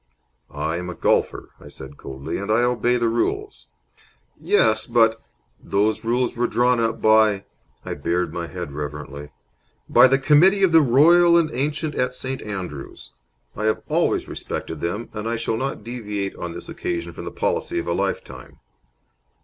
"I am a golfer," I said, coldly, "and I obey the rules." "Yes, but " "Those rules were drawn up by " I bared my head reverently "by the Committee of the Royal and Ancient at St. Andrews. I have always respected them, and I shall not deviate on this occasion from the policy of a lifetime."